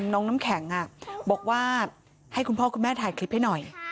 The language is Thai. น้ำแข็งบอกว่าให้คุณพ่อคุณแม่ถ่ายคลิปให้หน่อย